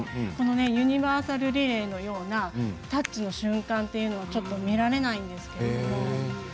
ユニバーサルリレーのようなタッチの瞬間っていうのは見られないんですけども。